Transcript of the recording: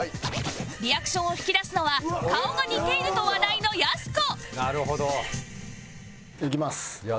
リアクションを引き出すのは顔が似ていると話題のやす子いきます。